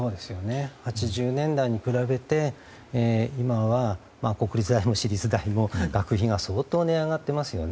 ８０年代に比べて今は、国立大も私立大も学費が相当値上がっていますよね。